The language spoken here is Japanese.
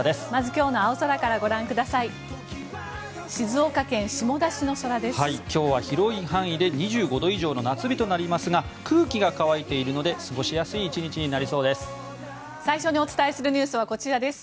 今日は広い範囲で２５度以上の夏日となりますが空気が乾いているので過ごしやすい１日になりそうです。